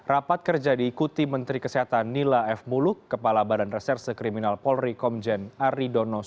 rapat kerja diikuti menteri kesehatan nila f muluk kepala badan reserse kriminal polri komjen aridono